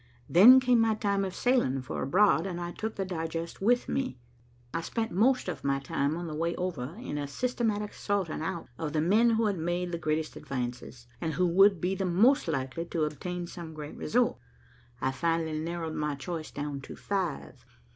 Then came my time of sailing for abroad, and I took the digest with me. I spent most of my time on the way over in a systematic sorting out of the men who had made the greatest advances, and who would be the most likely to obtain some great result. I finally narrowed my choice down to five.